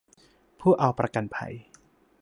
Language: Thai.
ผู้เอาประกันภัย